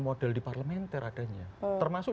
model di parlementer adanya termasuk